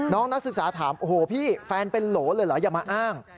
นักศึกษาถามโอ้โหพี่แฟนเป็นโหลเลยเหรออย่ามาอ้าง